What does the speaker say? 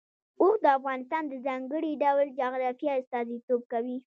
اوښ د افغانستان د ځانګړي ډول جغرافیه استازیتوب کوي.